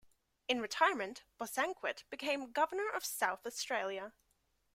In retirement Bosanquet became Governor of South Australia.